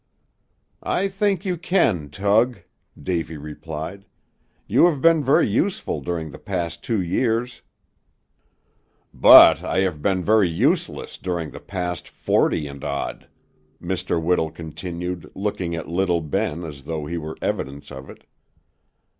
"I think you can, Tug," Davy replied. "You have been very useful during the past two years." "But I have been very useless during the past forty and odd," Mr. Whittle continued, looking at little Ben as though he were evidence of it.